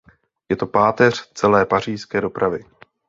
Je to páteř celé pařížské dopravy.